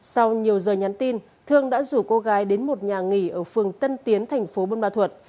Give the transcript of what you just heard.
sau nhiều giờ nhắn tin thương đã rủ cô gái đến một nhà nghỉ ở phường tân tiến thành phố buôn ma thuật